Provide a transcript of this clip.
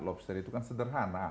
lobster itu kan sederhana